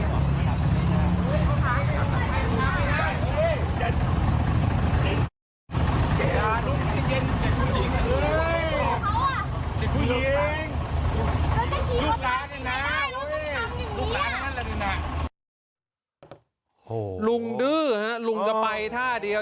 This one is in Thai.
โอ้โหลุงดื้อฮะลุงจะไปท่าเดียว